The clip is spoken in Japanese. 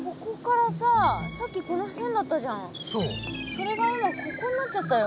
それが今ここになっちゃったよ。